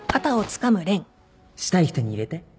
したい人に入れて？